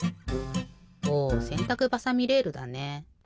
おせんたくばさみレールだね。